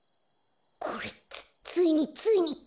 これつついについにとまったよ。